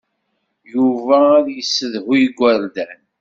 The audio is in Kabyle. Yuba ad yessedhu igerdan.